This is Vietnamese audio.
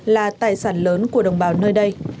là tài sản lớn của đồng bào nơi đây